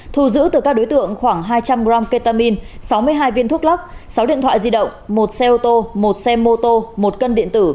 thu giữ từ các đối tượng khoảng hai trăm linh g ketamine sáu mươi hai viên thuốc lắc sáu điện thoại di động một xe ô tô một xe mô tô một cân điện tử